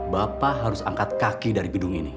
bapak harus angkat kaki dari gedung ini